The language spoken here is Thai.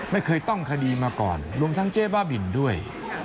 ไม่เคยต้องคดีมาก่อนรวมทั้งเจ๊บ้าบินด้วย